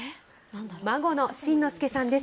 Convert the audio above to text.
孫の信之丞さんです。